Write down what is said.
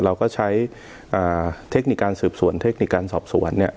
เราก็ใช้เทคนิคการสืบสวนเทคนิคการสอบสวนเนี่ย